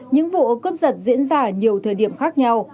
những vụ cướp giật diễn ra ở nhiều thời điểm khác nhau